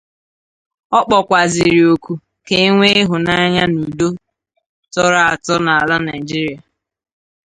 Ọ kpọkwazịrị òkù ka e nwee ịhụnanya nà udo tọrọ àtọ n'ala Nigeria.